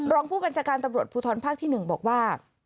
รองผู้บัญชาการตำรวจภูทรภาคที่๑บอกว่า